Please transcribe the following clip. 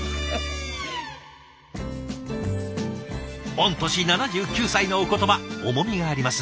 御年７９歳のお言葉重みがあります。